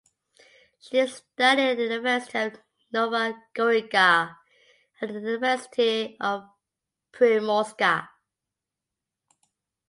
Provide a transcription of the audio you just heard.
She studied at the University of Nova Gorica and the University of Primorska.